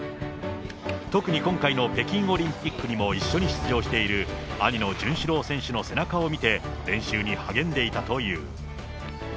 特に今回の北京オリンピックにも一緒に出場している兄の潤志郎選手の背中を見て、練習に励んでいたという。